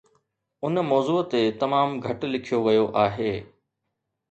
ان موضوع تي تمام گهٽ لکيو ويو آهي